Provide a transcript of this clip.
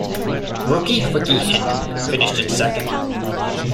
Rookie Ricky Hendrick finished in second.